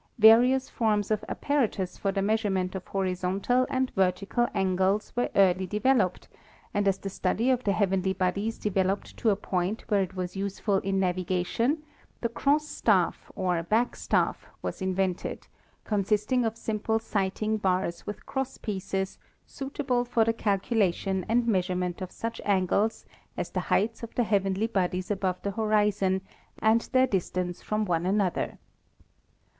Various forms of apparatus for the measurement of hori zontal and vertical angles were early evolved, and as the study of the heavenly bodies developed to a point where it was useful in navigation, the cross staff or back staff was invented, consisting of simple sighting bars with cross pieces suitable for the calculation and measurement of such angles as the heights of the heavenly bodies above the horizon and their distance from one another.